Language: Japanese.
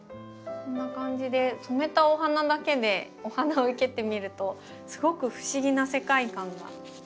こんな感じで染めたお花だけでお花を生けてみるとすごく不思議な世界観が。